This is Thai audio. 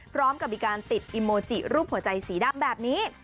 พร้อมกับมีการติดอิโมจิรูปหัวใจสีดำแบบนี้